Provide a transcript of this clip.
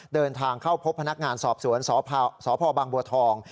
เดินทางเข้าพบพนักงานสอบสวนสพบางบัวทอง